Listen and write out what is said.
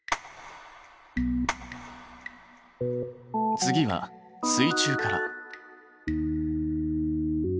次は水中から。